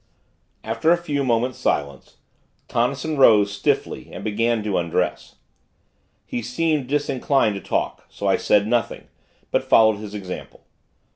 After a few moments' silence, Tonnison rose, stiffly, and began to undress. He seemed disinclined to talk; so I said nothing; but followed his example.